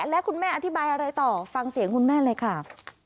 และคุณแม่อธิบายอะไรต่อฟังเสียงคุณแม่เลยค่ะ